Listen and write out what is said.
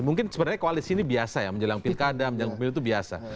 mungkin sebenarnya koalisi ini biasa ya menjalankan pilkada menjalankan pil itu biasa